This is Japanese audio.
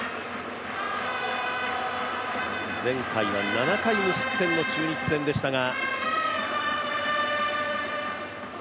前回は７回無失点の中日戦でしたが。